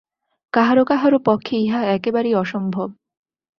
কাহারও কাহারও পক্ষে ইহা একেবারেই অসম্ভব।